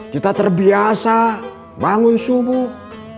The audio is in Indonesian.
kita terbiasa bangun subuh